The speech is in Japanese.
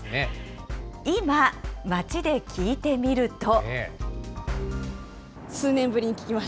今、街で聞いてみると。